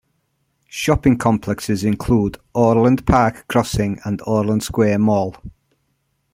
Shopping complexes include: Orland Park Crossing and Orland Square Mall.